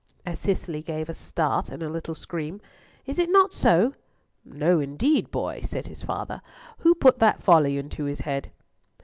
as Cicely gave a start and little scream. "Is it not so?" "No, indeed, boy," said his father. "What put that folly into his head?"